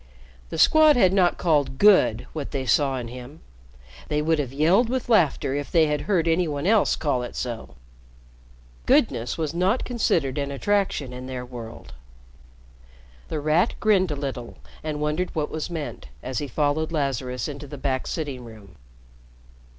The Squad had not called "good" what they saw in him. They would have yelled with laughter if they had heard any one else call it so. "Goodness" was not considered an attraction in their world. The Rat grinned a little and wondered what was meant, as he followed Lazarus into the back sitting room.